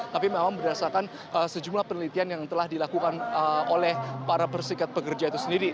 tapi memang berdasarkan sejumlah penelitian yang telah dilakukan oleh para persikat pekerja itu sendiri